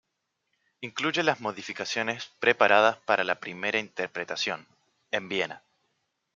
Incluye las modificaciones preparadas para la primera interpretación, en Viena.